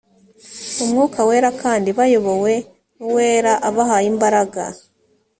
umwuka wera kandi bayobowe n ‘uwera abahaye imbaraga